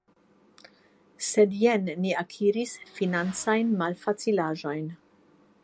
Sed jen ni akiris financajn malfacilaĵojn.